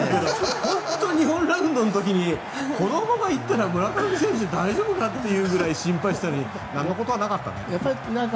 日本ラウンドの時にこのまま行ったら村上選手、大丈夫かというぐらい心配してたのになんのことはなかったね。